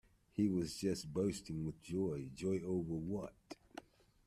He was just bursting with joy, joy over what.